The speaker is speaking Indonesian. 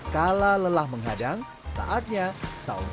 kalau lelah menghadang saatnya salunsi